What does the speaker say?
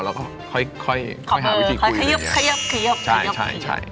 แล้วก็ค่อยค่อยหาวิธีคุยค่อยขยับใช่